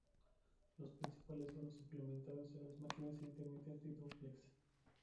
Los principales son los implementados en las máquinas Intermitente y Dúplex.